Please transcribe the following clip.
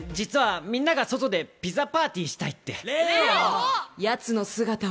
みんなが外でピザパーティーしたいって。